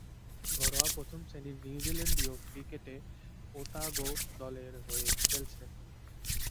ঘরোয়া প্রথম-শ্রেণীর নিউজিল্যান্ডীয় ক্রিকেটে ওতাগো দলের হয়ে খেলছেন।